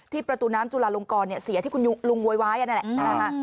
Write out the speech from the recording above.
ประตูน้ำจุลาลงกรเสียที่คุณลุงโวยวายนั่นแหละนะฮะ